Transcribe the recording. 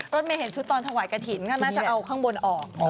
รถเมย์เห็นชุดตอนถวายกระถิ่นก็น่าจะเอาข้างบนออก